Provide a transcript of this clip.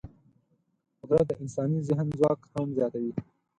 قدرت د انساني ذهن ځواک هم زیاتوي.